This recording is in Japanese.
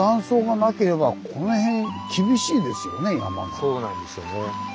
そうなんですよね。